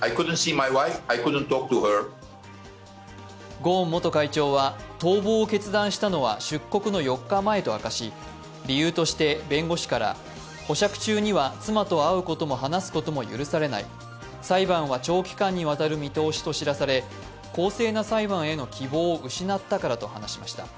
ゴーン元会長は逃亡を決断したのは出国の４日前と明かし理由として弁護士から保釈中には妻と会うことも話すことも許されない、裁判は長期間にわたる見通しと知らされ公正な裁判への希望を失ったからと話しました。